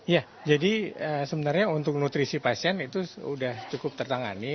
ya jadi sebenarnya untuk nutrisi pasien itu sudah cukup tertangani